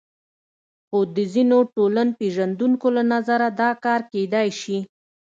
خو د ځینو ټولنپېژندونکو له نظره دا کار کېدای شي.